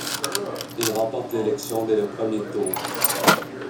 Il remporte l’élection dès le premier tour.